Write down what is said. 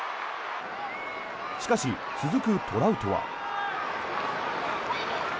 しかし、続くトラウトは。